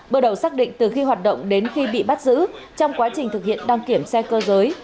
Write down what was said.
bước đầu xác định từ khi hoạt động đến khi bị bắt giữ trong quá trình thực hiện đăng kiểm xe cơ giới